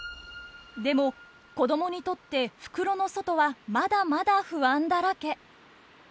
でも子どもにとって袋の外はまだまだ不安だらけ。